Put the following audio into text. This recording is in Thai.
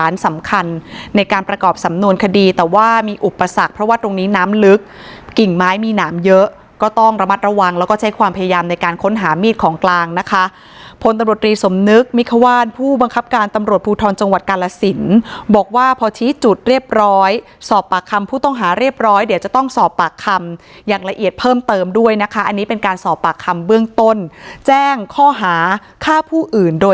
ในการประกอบสำนวนคดีแต่ว่ามีอุปสรรคเพราะว่าตรงนี้น้ำลึกกิ่งไม้มีหน่ำเยอะก็ต้องระมัดระวังแล้วก็ใช้ความพยายามในการค้นหามีดของกรางพลศศมนึกมิฆวร์ผู้บังคับการตำรวจภูทรจกลสินย์บอกว่าพอจุดเรียบร้อยสอบปากคำผู้ต้องหารีบร้อยเดี๋ยวจะต้องสอบปากคำอย่างละเอียดเพิ